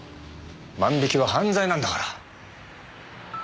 万引きは犯罪なんだから。